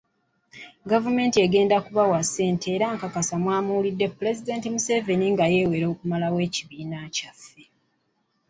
Gavumenti egenda kubawa ssente era nkakasa mwawulidde Pulezidenti Museveni nga yewera okumalawo ekibiina kyaffe.